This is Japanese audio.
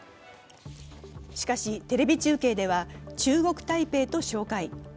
しかし、テレビ中継では中国台北と紹介。